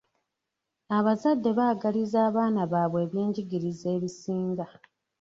Abazadde baagaliza abaana baabwe ebyenjigiriza ebisinga.